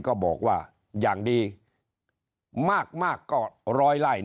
ก็บอกว่าอย่างดีมากก็ร้อยไล่